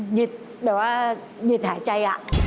หยุดแบบว่าหยุดหายใจ